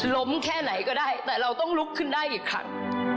แค่ไหนก็ได้แต่เราต้องลุกขึ้นได้อีกครั้ง